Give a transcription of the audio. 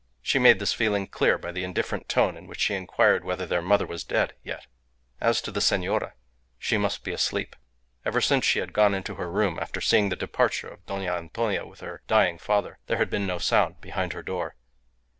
She made this feeling clear by the indifferent tone in which she inquired whether their mother was dead yet. As to the senora, she must be asleep. Ever since she had gone into her room after seeing the departure of Dona Antonia with her dying father, there had been no sound behind her door.